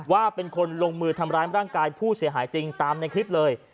ว่าเป็นคนลงมือทำร้ายร่างกายผู้เสียหายจริงตามในคลิปเลย